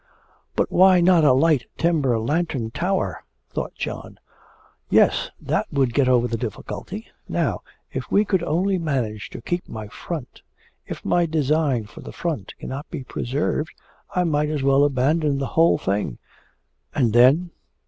'_ 'But why not a light timber lantern tower?' thought John. 'Yes, that would get over the difficulty. Now, if we could only manage to keep my front.... If my design for the front cannot be preserved, I might as well abandon the whole thing! And then?'